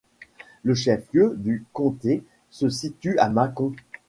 Le chef-lieu du comté se situe à Macon.